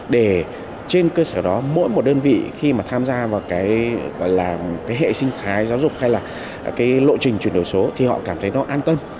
để trên cơ sở đó mỗi một đơn vị khi mà tham gia vào cái gọi là cái hệ sinh thái giáo dục hay là cái lộ trình chuyển đổi số thì họ cảm thấy nó an tâm